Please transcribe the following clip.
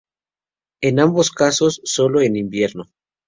En ambos casos, solo en invierno.